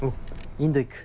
インド行く。